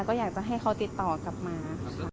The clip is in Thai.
ก็อยากจะให้เขาติดต่อกลับมาค่ะ